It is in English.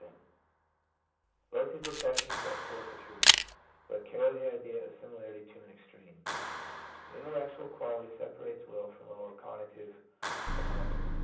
1 1 1 Both these expressions set forth a truth, but carry the idea of similarity to an extreme. The intellectual quality separates will from lower conative pheno mena.